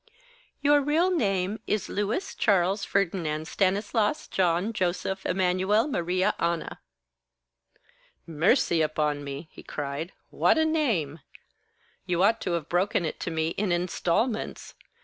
"Your real name is Louis Charles Ferdinand Stanislas John Joseph Emmanuel Maria Anna." "Mercy upon me," he cried, "what a name! You ought to have broken it to me in instalments.